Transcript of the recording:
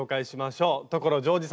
所ジョージさんです。